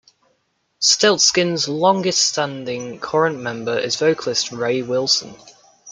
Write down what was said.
Stiltskin's longest-standing current member is vocalist Ray Wilson.